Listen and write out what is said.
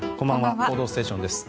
「報道ステーション」です。